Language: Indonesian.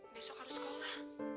besok harus sekolah